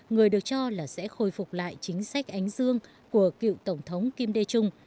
người được cho là sẽ khôi phục lại chính sách ánh dương của cựu tổng thống kim dae chung